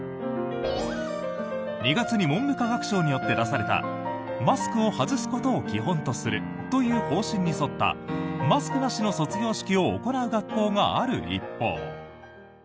２月に文部科学省によって出されたマスクを外すことを基本とするという方針に沿ったマスクなしの卒業式を行う学校がある一方。